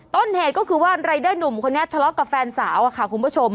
ต้นเหตุก็คือว่ารายเดอร์หนุ่มคนนี้ทะเลาะกับแฟนสาวค่ะคุณผู้ชม